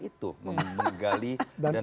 itu menggali dan